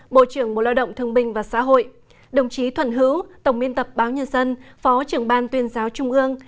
bộ trưởng bộ lao động thương binh và xã hội đồng chí thuận hữu tổng biên tập báo nhân dân phó trưởng ban tuyên giáo trung ương